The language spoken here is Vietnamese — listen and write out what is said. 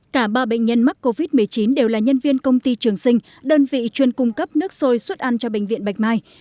cả ba bệnh nhân mắc covid một mươi chín đều là nhân viên công ty trường sinh đơn vị chuyên cung cấp nước sôi xuất ăn cho bệnh viện bạch mai